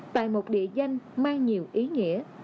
tại một địa danh mang nhiều ý nghĩa